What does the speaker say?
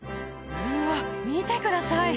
うわ見てください！